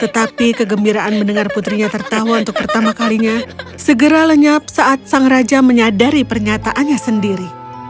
tetapi kegembiraan mendengar putrinya tertawa untuk pertama kalinya segera lenyap saat sang raja menyadari pernyataannya sendiri